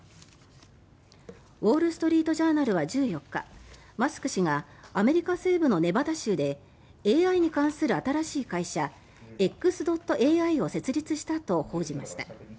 ウォール・ストリート・ジャーナルは１４日マスク氏がアメリカ西部のネバダ州でＡＩに関する新しい会社Ｘ．ＡＩを設立したと報じました。